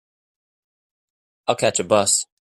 I'll catch a bus.